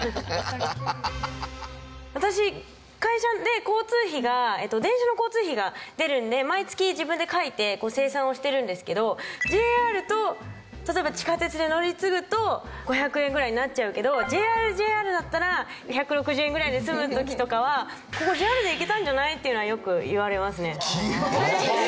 私会社で交通費が電車の交通費が出るんで毎月自分で書いて精算をしてるんですけどＪＲと例えば地下鉄で乗り継ぐと５００円ぐらいになっちゃうけどＪＲＪＲだったら１６０円ぐらいで済む時とかはここＪＲで行けたんじゃない？っていうのはよく言われますね。